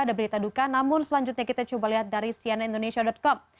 ada berita duka namun selanjutnya kita coba lihat dari sianindonesia com